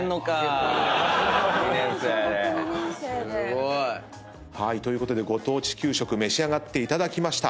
すごい。ということでご当地給食召し上がっていただきました。